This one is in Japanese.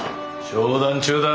商談中だ！